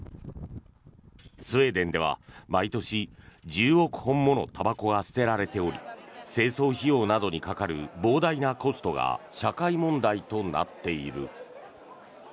スウェーデンでは毎年１０億本ものたばこが捨てられており清掃費用などにかかる膨大なコストが社会問題となっている。